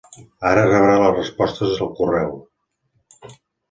Ara rebrà les respostes al correu.